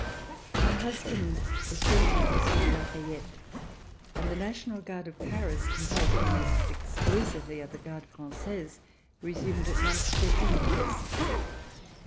My husband descended with Monsieur de La Fayette, and the National Guard of Paris, composed almost exclusively of the Gardes Fran(;:aises, resumed at once their former posts.